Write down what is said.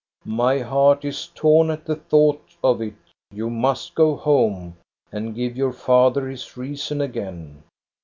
" My heart is torn at the thought of it You must go home and give your father his reason again.